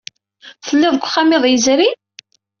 Telliḍ deg wexxam iḍ yezrin?